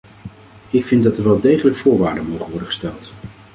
Ik vind dat er wel degelijk voorwaarden mogen worden gesteld.